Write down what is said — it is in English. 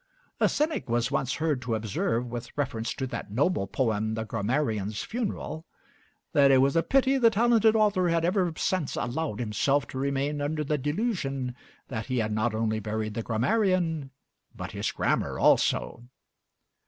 A cynic was once heard to observe with reference to that noble poem 'The Grammarian's Funeral,' that it was a pity the talented author had ever since allowed himself to remain under the delusion that he had not only buried the grammarian, but his grammar also.